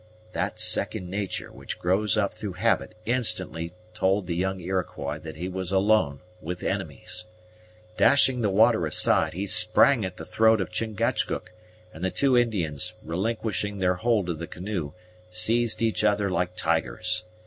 That second nature which grows up through habit instantly told the young Iroquois that he was alone with enemies. Dashing the water aside, he sprang at the throat of Chingachgook, and the two Indians, relinquishing their hold of the canoe, seized each other like tigers.